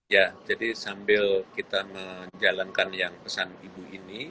ya jadi sambil kita menjalankan yang pesan ibu ini